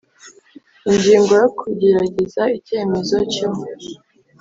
Ingingo ya kuregera icyemezo cyo